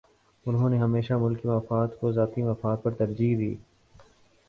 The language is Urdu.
انہوں نے ہمیشہ ملکی مفاد کو ذاتی مفاد پر ترجیح دی